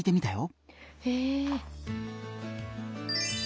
へえ。